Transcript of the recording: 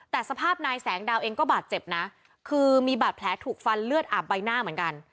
แต่สภาพนายแสงดาวเองก็บาดเจ็บนะคือมีบาดแผลถูกฟันเลือดอาบใบหน้าเหมือนกัน